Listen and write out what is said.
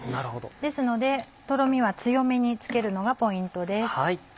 ですのでとろみは強めにつけるのがポイントです。